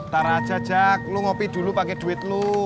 tar aja jack lo ngopi dulu pake duit lo